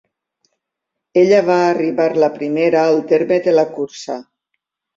Ella va arribar la primera al terme de la cursa.